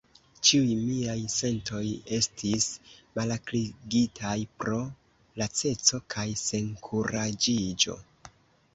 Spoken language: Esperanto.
Ĉiuj miaj sentoj estis malakrigitaj pro laceco kaj senkuraĝiĝo.